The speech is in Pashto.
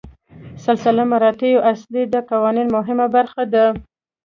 سلسله مراتبو اصل د قانون مهمه برخه ده.